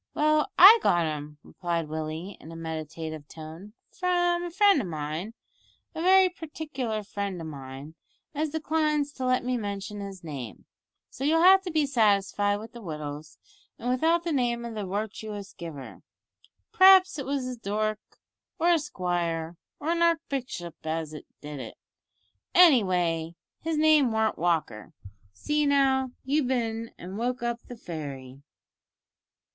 "Well, I got 'em," replied Willie in a meditative tone, "from a friend of mine a very partikler friend o' mine as declines to let me mention his name, so you'll have to be satisfied with the wittles and without the name of the wirtuous giver. P'r'aps it was a dook, or a squire, or a archbishop as did it. Anyway his name warn't Walker. See now, you've bin an' woke up the fairy."